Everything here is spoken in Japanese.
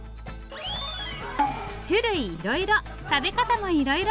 種類いろいろ食べ方もいろいろ。